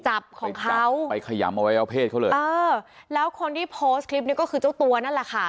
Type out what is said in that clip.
จับของเขาไปขยำเอาไว้เอาเพศเขาเลยเออแล้วคนที่โพสต์คลิปนี้ก็คือเจ้าตัวนั่นแหละค่ะ